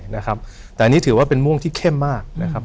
นะครับแต่อันนี้ถือว่าเป็นม่วงที่เข้มมากนะครับ